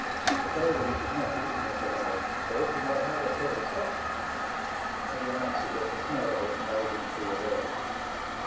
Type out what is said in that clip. I told him, as he'd not eaten his allowance of pork, he might have it for his supper ; but he answered that the smell of it made him feel ill.